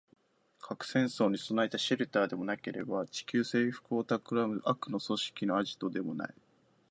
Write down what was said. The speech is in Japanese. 核戦争に備えたシェルターでもなければ、地球制服を企む悪の組織のアジトでもない